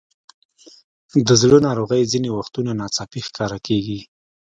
د زړه ناروغۍ ځینې وختونه ناڅاپي ښکاره کېږي.